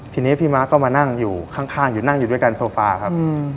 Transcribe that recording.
ทีนี้พี่มาร์คก็มานั่งอยู่ข้างอยู่ด้วยกันโซฟาครับ